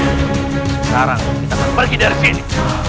sekarang kita akan pergi dari sini